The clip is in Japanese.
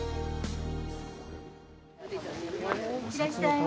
いらっしゃいませ。